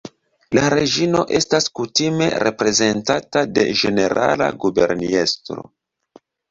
La Reĝino estas kutime reprezentata de Ĝenerala Guberniestro.